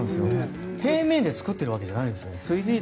平面で作ってるわけじゃないんですよ。